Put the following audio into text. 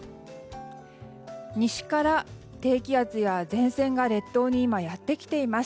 西から低気圧や前線が列島にやってきています。